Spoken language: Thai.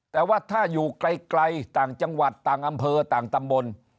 แต่ว่าถ้าอยู่ไกลต่างจังหวัดต่างอำเภอต่างตำบล